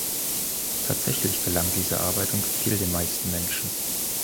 Tatsächlich gelang diese Arbeit und gefiel den meisten Menschen.